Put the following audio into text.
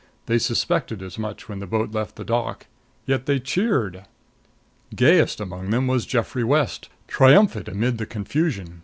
They suspected as much when the boat left the dock. Yet they cheered! Gayest among them was Geoffrey West, triumphant amid the confusion.